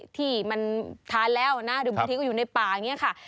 ที่มันทานแล้วนะหรือบางทีก็อยู่ในป่าอย่างนี้ค่ะ